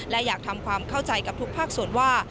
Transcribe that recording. และอยากทำความเข้าใจกับทุกภาคส่วนว่า